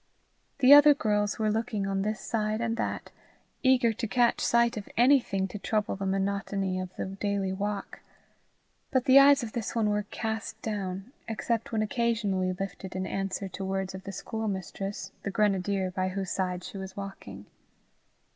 The other girls were looking on this side and that, eager to catch sight of anything to trouble the monotony of the daily walk; but the eyes of this one were cast down, except when occasionally lifted in answer to words of the schoolmistress, the grenadier, by whose side she was walking.